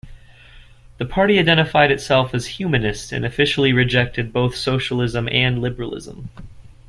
The party identified itself as humanist and officially rejected both socialism and liberalism.